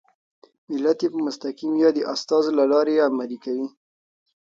ملت یې په مستقیم یا د استازو له لارې عملي کوي.